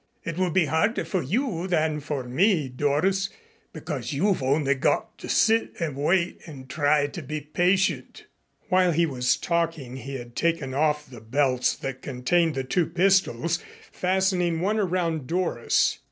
It will be harder for you than for me, Doris, because you've only got to sit and wait and try to be patient." While he was talking he had taken off the belts that contained the two pistols, fastening one around Doris.